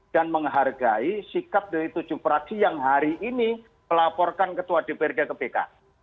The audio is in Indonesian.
dan menghargai sikap dari tujuh praksi yang hari ini melaporkan ketua dprd ke bk